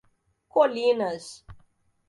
Colinas